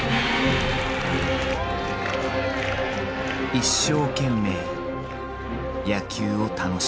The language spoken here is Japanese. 一生懸命野球を楽しむ。